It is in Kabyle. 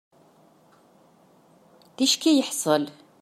Ticki i yeḥsel.